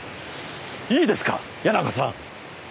いいですか谷中さん。